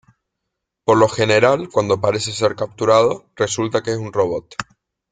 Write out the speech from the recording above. Por lo general, cuando parece ser capturado, resulta que es un robot.